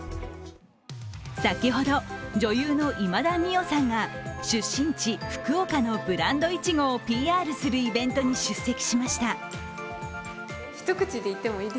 先ほど、女優の今田美桜さんが出身地、福岡のブランドいちごをＰＲするイベントに出席しました。